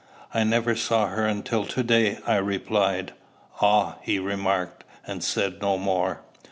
"I never saw her until to day," I replied. "Ah!" he remarked, and said no more.